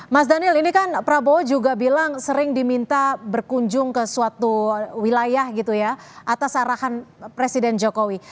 mas daniel ini kan prabowo juga bilang sering diminta berkunjung ke suatu wilayah gitu ya atas arahan presiden jokowi